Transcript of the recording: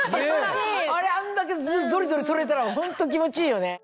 あんだけゾリゾリ剃れたらホント気持ちいいよね。